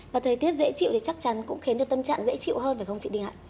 và thời tiết dễ chịu thì chắc chắn cũng khiến cho tâm trạng dễ chịu hơn phải không chị đinh ạ